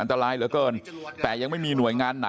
พวกมันกลับมาเมื่อเวลาที่สุดพวกมันกลับมาเมื่อเวลาที่สุด